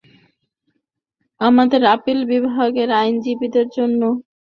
আমাদের আপিল বিভাগের আইনজীবীদের জন্য এমন ব্যবস্থা কার্যকর আছে, হাইকোর্টেও দরকার।